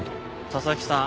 佐々木さん